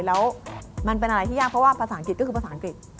แล้วมันเป็นอะไรที่ยากเพราะว่าภาษาอังกฤษก็คือภาษาอังกฤษ